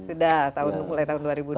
sudah mulai tahun dua ribu dua puluh dua